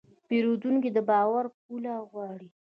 پیرودونکی د باور پله غواړي.